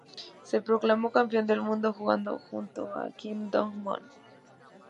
Se proclamó campeón del mundo jugando junto a Kim Dong-moon.